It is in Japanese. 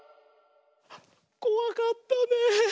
こわかったねえ。